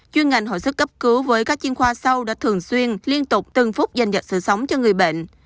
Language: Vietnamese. chuyên ngành hội sức cấp cứu với các chiên khoa sau đã thường xuyên liên tục từng phút dành dạng sự sống cho người bệnh